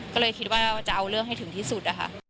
ก็เลยคิดว่าจะเอาเรื่องให้ถึงที่สุดนะคะ